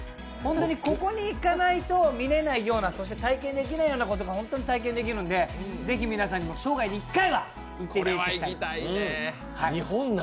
ここに行かないと見れないようなそして体験できないようなことが本当に体験できるんで、ぜひ皆さんも生涯に１回はこれは行きたいね。